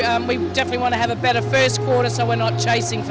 kami tidak ingin menyerahkan peringkat pertama seperti hari ini